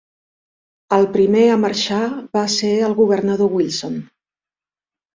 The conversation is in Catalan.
El primer a marxar va ser el governador Wilson.